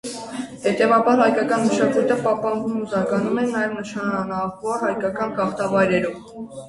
Հետևաբար՝ հայկական մշակույթը պահպանվում ու զարգանում էր նաև նշանավոր հայկական գաղթավայրերում։